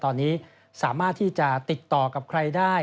ตอนนี้สามารถที่จะติดต่อกับใครได้